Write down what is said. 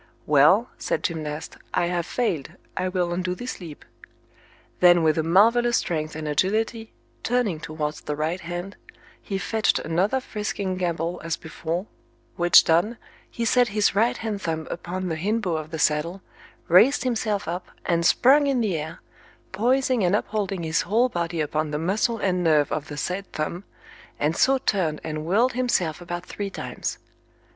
Well, said Gymnast, I have failed, I will undo this leap. Then with a marvellous strength and agility, turning towards the right hand, he fetched another frisking gambol as before, which done, he set his right hand thumb upon the hind bow of the saddle, raised himself up, and sprung in the air, poising and upholding his whole body upon the muscle and nerve of the said thumb, and so turned and whirled himself about three times.